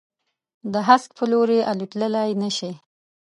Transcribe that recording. د هسک په لوري، الوتللای نه شي